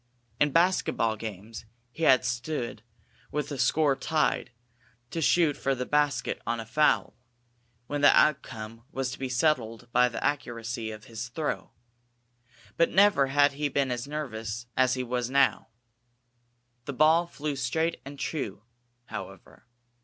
In basketball games, he had stood, with the score tied, to shoot for the basket on a foul, when the outcome was to be settled by the accuracy of his throw. But never had he been as nervous as he was now. The ball flew straight and true, however.